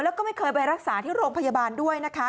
แล้วก็ไม่เคยไปรักษาที่โรงพยาบาลด้วยนะคะ